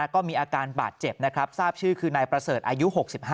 ก็มีอาการบาดเจ็บนะครับทราบชื่อคือนายประเสริฐอายุ๖๕